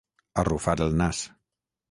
Arrufar el nas.